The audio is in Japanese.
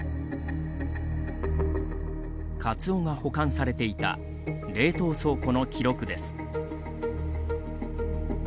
カツオが保管されていた冷凍倉庫の記録です。